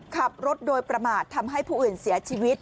ขับรถโดยประมาททำให้ผู้อื่นเสียชีวิต